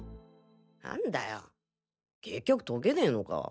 あんだよ結局解けねぇのか。